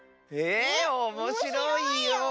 えおもしろいよ。